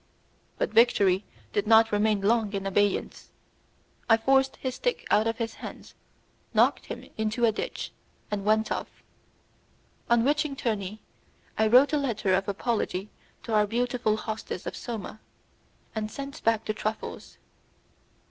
But victory did not remain long in abeyance; I forced his stick out of his hands, knocked him into a ditch, and went off. On reaching Terni, I wrote a letter of apology to our beautiful hostess of Soma, and sent back the truffles.